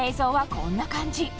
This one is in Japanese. こんな感じ